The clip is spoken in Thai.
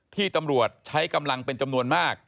ที่ตำรวจใช้กำลังเป็นจำนวนมาก